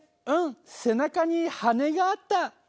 うん背中に羽根があった。